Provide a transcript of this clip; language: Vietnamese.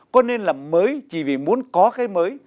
có nên làm mới chỉ vì muốn có cái mới